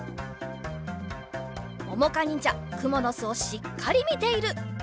ももかにんじゃくものすをしっかりみている。